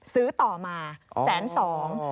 ซื้อต่อมาแสนสอง